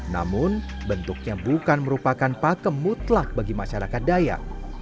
namun bentuknya bukan merupakan pakem mutlak bagi masyarakat dayak